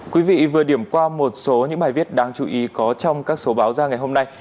quý vị vừa điểm qua một số những bài viết đáng chú ý có trong các số báo ra ngày hôm nay